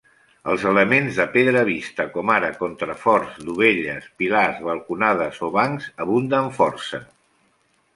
Els elements de pedra vista com ara contraforts, dovelles, pilars, balconades o bancs abunden força.